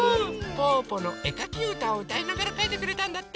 「ぽぅぽのえかきうた」をうたいながらかいてくれたんだって。